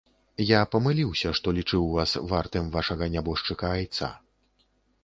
Я памыліўся, што лічыў вас вартым вашага нябожчыка айца.